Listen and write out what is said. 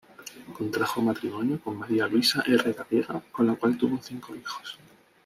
Contrajo matrimonio con María Luisa Herrera Vega, con la cual tuvo cinco hijos.